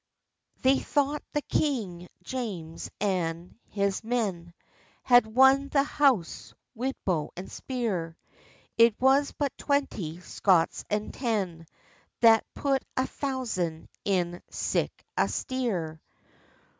They thought King James and a' his men Had won the house wi bow and speir; It was but twenty Scots and ten That put a thousand in sic a stear!